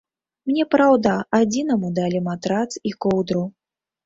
Мне, праўда, адзінаму далі матрац і коўдру.